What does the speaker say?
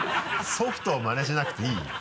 ソフトをマネしなくていいよ。